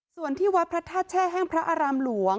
ส่วนที่วัดพระธาตุแช่แห้งพระอารามหลวง